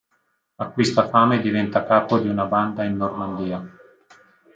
Acquista fama e diventa capo di una banda in Normandia.